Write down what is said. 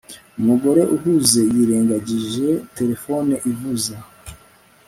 Umugore uhuze yirengagije terefone ivuza